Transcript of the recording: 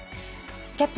「キャッチ！